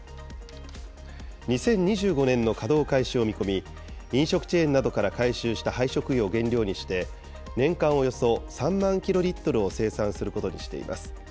２０２５年の稼働開始を見込み、飲食チェーンなどから回収した廃食油を原料にして、年間およそ３万キロリットルを生産することにしています。